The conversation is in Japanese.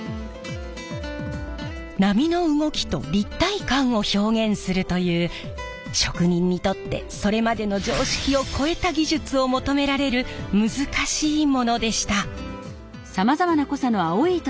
波の動きと立体感を表現するという職人にとってそれまでの常識を超えた技術を求められる難しいものでした。